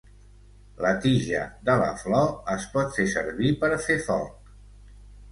La tija de la flor es pot fer servir per fer foc.